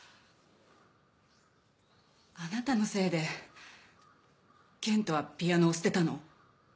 あなたのせいで賢人はピアノを捨てたの？